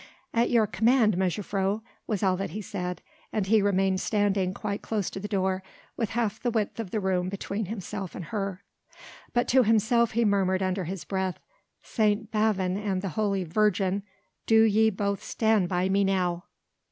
"At your command, mejuffrouw," was all that he said, and he remained standing quite close to the door, with half the width of the room between himself and her. But to himself he murmured under his breath: "St. Bavon and the Holy Virgin, do ye both stand by me now!"